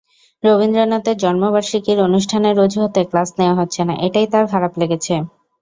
রবীন্দ্রনাথের জন্মবার্ষিকীর অনুষ্ঠানের অজুহাতে ক্লাস নেওয়া হচ্ছে না, এটাই তাঁর খারাপ লেগেছে।